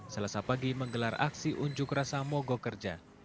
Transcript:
selasa pagi menggelar aksi unjuk rasa mogok kerja